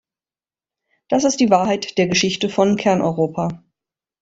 Das ist die Wahrheit der Geschichte von Kerneuropa!